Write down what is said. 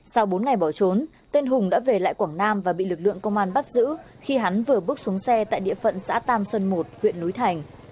sau bốn ngày bỏ trốn tên hùng đã về lại quảng nam và bị lực lượng công an bắt giữ khi hắn vừa bước xuống xe tại địa phận xã tam xuân một huyện núi thành